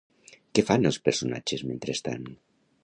Què fan els personatges mentrestant?